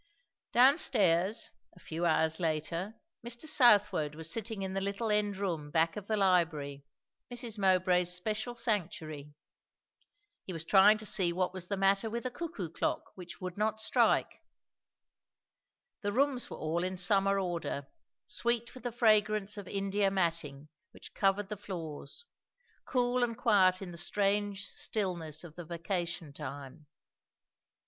Down stairs, a few hours later, Mr. Southwode was sitting in the little end room back of the library Mrs. Mowbray's special sanctuary. He was trying to see what was the matter with a cuckoo clock which would not strike. The rooms were all in summer order; sweet with the fragrance of India matting, which covered the floors; cool and quiet in the strange stillness of the vacation time.